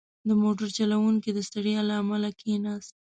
• د موټر چلوونکی د ستړیا له امله کښېناست.